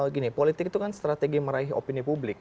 gini politik itu kan strategi meraih opini publik